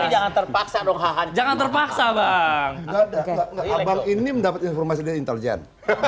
jangan terpaksa dong hah jangan terpaksa bang ini mendapatkan informasi dan intelijen